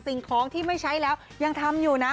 สิ่งของที่ไม่ใช้แล้วยังทำอยู่นะ